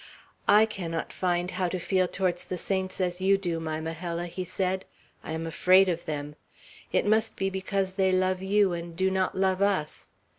"I cannot find how to feel towards the saints as you do, my Majella," he said. "I am afraid of them. It must be because they love you, and do not love us.